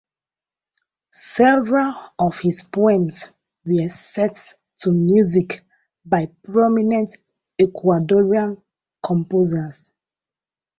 Several of his poems were set to music by prominent Ecuadorian composers.